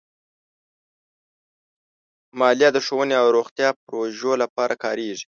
مالیه د ښوونې او روغتیا پروژو لپاره کارېږي.